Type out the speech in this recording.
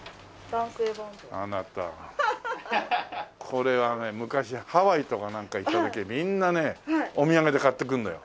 これはね昔ハワイとかなんか行った時みんなねお土産で買ってくるのよ。